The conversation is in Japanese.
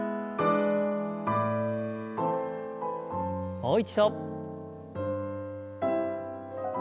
もう一度。